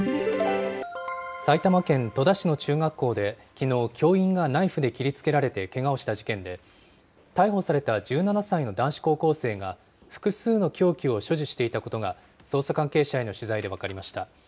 埼玉県戸田市の中学校できのう、教員がナイフで切りつけられてけがをした事件で、逮捕された１７歳の男子高校生が、複数の凶器を所持していたことが、捜査関係者への取材で分かりました。